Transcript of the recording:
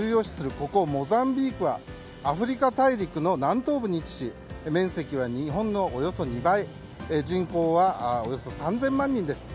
ここモザンビークはアフリカ大陸の南東部に位置し面積は日本のおよそ２倍人口はおよそ３０００万人です。